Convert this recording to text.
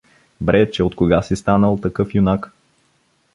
— Бре, че откога си станал такъв юнак!